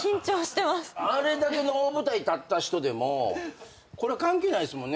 あれだけの大舞台立った人でもこれ関係ないっすもんね。